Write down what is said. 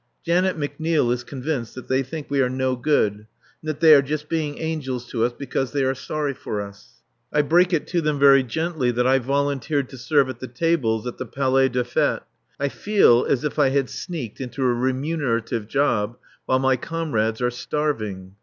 Janet McNeil is convinced that they think we are no good and that they are just being angels to us because they are sorry for us. I break it to them very gently that I've volunteered to serve at the tables at the Palais des Fêtes. I feel as if I had sneaked into a remunerative job while my comrades are starving.